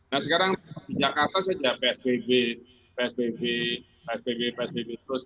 nah sekarang di jakarta saja psbb psbb terus